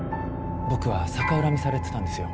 僕は逆恨みされてたんですよ。